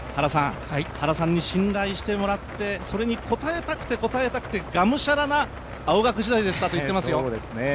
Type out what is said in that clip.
原さんに信頼してもらって、それに応えたくて応えたくてがむしゃらな青学時代でしたと言ってますよ。